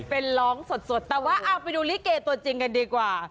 เป็นร้องสดแต่ว่าเอาไปดูลิเกตัวจริงกันดีกว่า